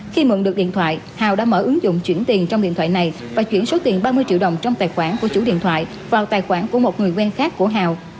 khi mượn được điện thoại hào đã mở ứng dụng chuyển tiền trong điện thoại này và chuyển số tiền ba mươi triệu đồng trong tài khoản của chủ điện thoại vào tài khoản của một người quen khác của hào